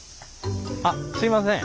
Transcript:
あっすいません。